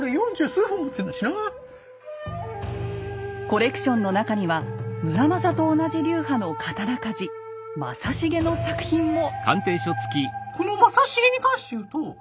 コレクションの中には村正と同じ流派の刀鍛冶正重の作品も。